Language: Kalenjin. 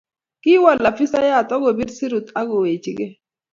Kiwol afisayat akobir surut akowechikei